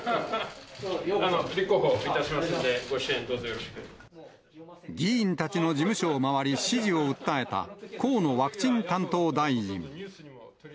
立候補いたしますんで、議員たちの事務所を回り、支持を訴えた河野ワクチン担当大臣。